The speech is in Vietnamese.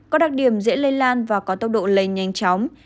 có đặc điểm dễ lây lan và có tốc độ lây nhanh chóng